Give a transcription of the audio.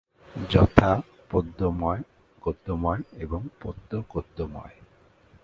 যথাঃ পদ্যময়, গদ্যময় এবং পদ্যগদ্যময়।